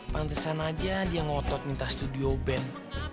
pantesan aja dia ngotot minta studio band